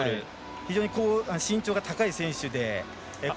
非常に身長が高い選手で。